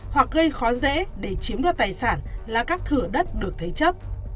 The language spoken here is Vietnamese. hoặc gây khó dễ để chiếm đoạt tài sản là các thừa đất được thấy chấp